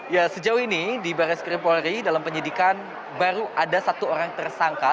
ya sejauh ini di barai skripori dalam penyidikan baru ada satu orang tersangka